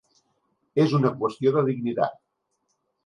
És una qüestió de dignitat.